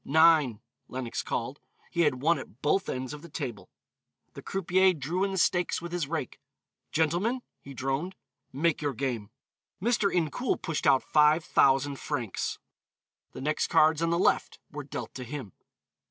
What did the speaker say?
"Nine," Lenox called; he had won at both ends of the table. The croupier drew in the stakes with his rake. "Gentlemen," he droned, "make your game." Mr. Incoul pushed out five thousand francs. The next cards on the left were dealt to him.